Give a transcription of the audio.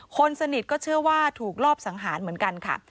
คนสนิทก็เชื่อว่าถูกรอบสังหารเหมือนกันค่ะ